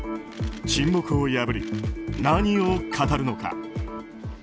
沈黙を破り、何を語るのか。